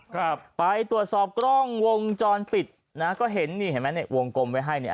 ครับไปตรวจสอบกล้องวงจรปิดนะฮะก็เห็นนี่เห็นไหมเนี่ยวงกลมไว้ให้เนี่ย